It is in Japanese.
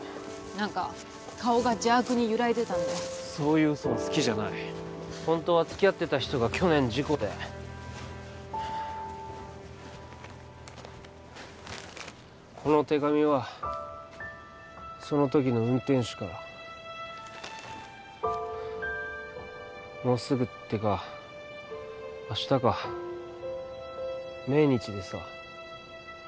何か顔が邪悪に揺らいでたのでそういう嘘は好きじゃない本当はつきあってた人が去年事故でこの手紙はその時の運転手からもうすぐってか明日か命日でさ